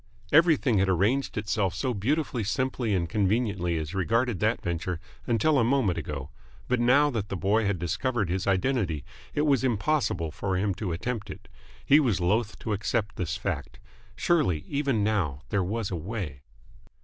Everything had arranged itself so beautifully simply and conveniently as regarded that venture until a moment ago; but now that the boy had discovered his identity it was impossible for him to attempt it. He was loth to accept this fact. Surely, even now, there was a way